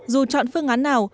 dù chọn phương án nào